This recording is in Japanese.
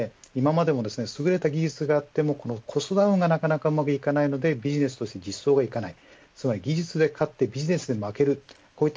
日本は今までも優れた技術があってもコストダウンがなかなかうまくいかないのでビジネスとしてうまくいかない。